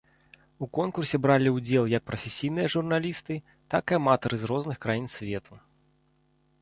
У конкурсе бралі ўдзел як прафесійныя журналісты, так і аматары з розных краін свету.